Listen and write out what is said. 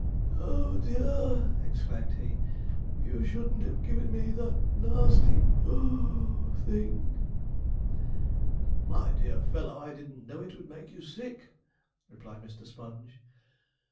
'Oh, dear!' exclaimed he, 'you shouldn't have given me that nasty (puff) thing.' 'My dear fellow, I didn't know it would make you sick,' replied Mr. Sponge.